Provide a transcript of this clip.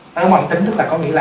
táo bón bản tính tức là có nghĩa là